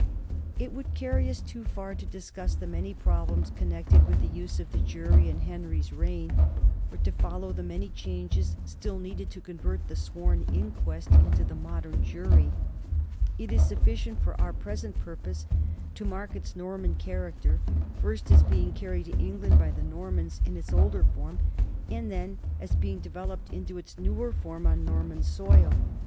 It would carry us too far to discuss the many prob lems connected with the use of the jury in Henry's reign or to follow the many changes still needed to con vert the sworn inquest into the modern jury. It is suffi cient for our present purpose to mark its Norman char acter, first as being carried to England by the Normans in its older form, and then as being developed into its newer form on Norman soil.